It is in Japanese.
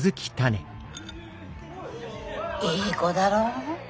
いい子だろう。